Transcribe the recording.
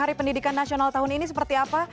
hari pendidikan nasional tahun ini seperti apa